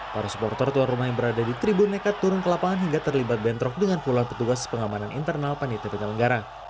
para supporter tuan rumah yang berada di tribun nekat turun ke lapangan hingga terlibat bentrok dengan puluhan petugas pengamanan internal panitia penyelenggara